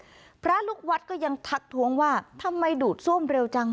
พระลูกวัดก็ยังทักท้วงว่าทำไมดูดซ่วมเร็วจัง